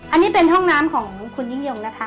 อันนี้เป็นห้องน้ำของคุณยิ่งยงนะคะ